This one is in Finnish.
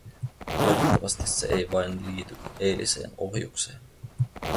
Toivottavasti se ei vain liity eiliseen ohjukseen.